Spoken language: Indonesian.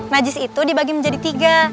najis itu dibagi menjadi tiga